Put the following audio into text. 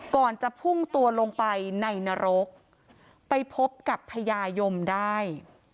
ก่อนจะพุ่งตัวลงไปในนรกไปพบกับพญายมได้